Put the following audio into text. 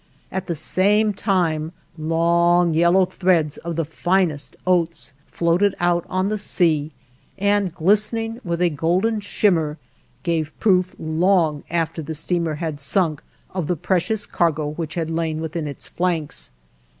At the same time long, yellow threads of the finest oats floated far out on the sea and, glistening with a golden shimmer, gave proof long after the steamer had sunk of the precious cargo which had lain within its flanks.